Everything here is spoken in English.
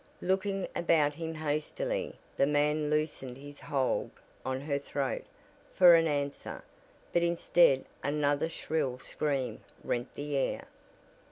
Looking about him hastily the man loosed his hold on her throat for an answer, but instead another shrill scream rent the air.